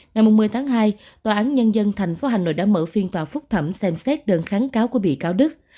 ngày một mươi tháng hai tòa án nhân dân tp hà nội đã mở phiên tòa phúc thẩm xem xét đơn kháng cáo của bị cáo đức